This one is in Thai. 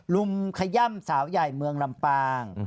ลุมขย่ำสาวใหญ่เมืองลำปาง